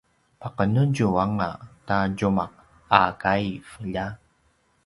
paqenetju anga ta tjumaq a kaiv lja!